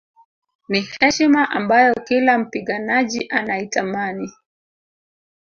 Ni heshima ambayo kila mpiganaji anaitamani